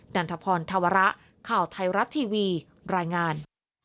ันทพรธวระข่าวไทยรัฐทีวีรายงาน